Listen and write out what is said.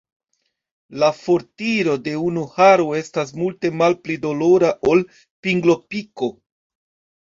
La fortiro de unu haro estas multe malpli dolora ol pinglopiko.